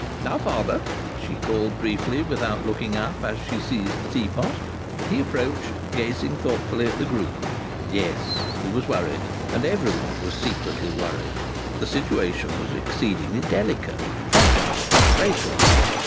"Now, father," she called briefly, without looking up, as she seized the teapot. He approached, gazing thoughtfully at the group. Yes, he was worried. And everyone was secretly worried. The situation was exceedingly delicate, fragile, breakable.